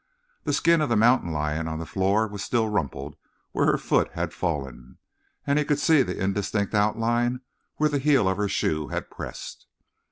The skin of the mountain lion on the floor was still rumpled where her foot had fallen, and he could see the indistinct outline where the heel of her shoe had pressed.